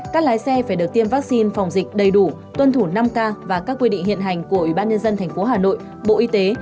các lái xe phải được tiêm vaccine phòng dịch đầy đủ tuân thủ năm k và các quy định hiện hành của ubnd tp hà nội bộ y tế